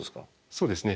そうですね。